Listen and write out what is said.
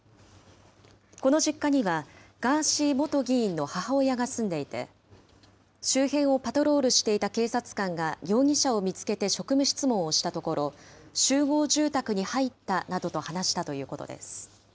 この実家には、ガーシー元議員の母親が住んでいて、周辺をパトロールしていた警察官が容疑者を見つけて職務質問をしたところ、集合住宅に入ったなどと話したということです。